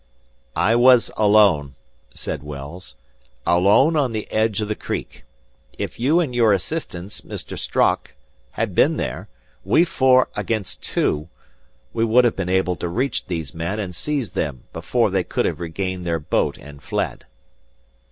"I was alone," said Wells. "Alone on the edge of the Creek. If you and your assistants, Mr. Strock, had been there, we four against two, we would have been able to reach these men and seize them before they could have regained their boat and fled."